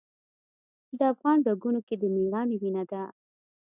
د افغان رګونو کې د میړانې وینه ده.